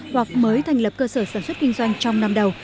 hoặc mới thành lập cơ sở sản xuất kinh doanh trong năm đầu